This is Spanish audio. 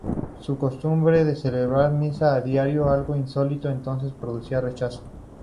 Su costumbre de celebrar misa a diario, algo insólito entonces, producía rechazo.